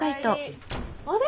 あれ？